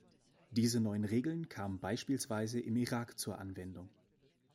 Diese neuen Regeln kamen beispielsweise im Irak zur Anwendung.